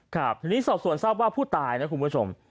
ครับทีนี้สอบส่วนทราบว่าผู้ตายนะคุณผู้ชม